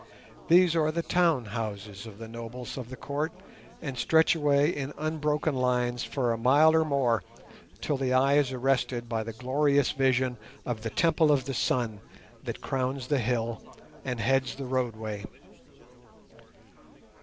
These are the town houses of the nobles of the Court, and stretch away in unbroken lines for a mile or more till the eye is arrested by the glorious vision of the Temple of the Sun that crowns the hill and heads the roadway.